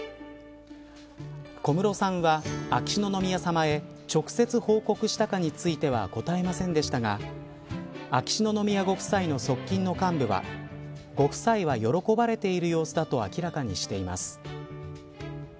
小室さんは秋篠宮さまへ直接、報告したかについては答えませんでしたが秋篠宮ご夫妻の側近の幹部はご夫妻は喜ばれている様子だと明らかにしています。